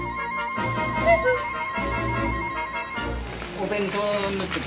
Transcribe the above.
お弁当。